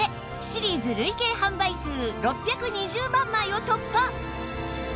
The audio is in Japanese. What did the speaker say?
シリーズ累計販売数６２０万枚を突破！